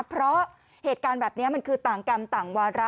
เพราะเหตุการณ์แบบนี้มันคือต่างกรรมต่างวาระ